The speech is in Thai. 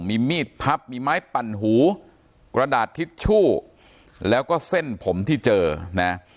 มีมีดพับมีไม้ปั่นหูกระดาษทิชชู่แล้วก็เส้นผมที่เจอนะ